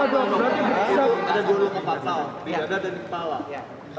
ada juru kepala di dada dan di kepala